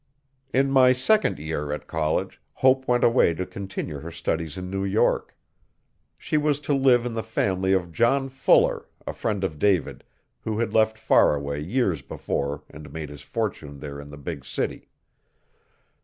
In my second year, at college, Hope went away to continue her studies in New York She was to live in the family of John Fuller, a friend of David, who had left Faraway years before and made his fortune there in the big city.